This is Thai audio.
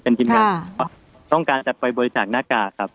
เป็นทีมงานต้องการจัดไปบริจาคหน้ากากครับ